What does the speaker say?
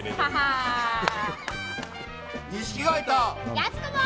やす子も。